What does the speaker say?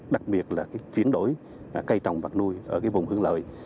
đặc biệt là chuyển đổi cây trồng và nuôi ở vùng hướng lợi